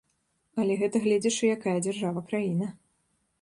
Але гэта гледзячы якая дзяржава-краіна.